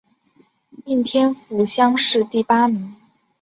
应天府乡试第八名。